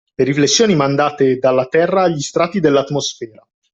Le riflessioni mandate dalla Terra agli strati dell’atmosfera.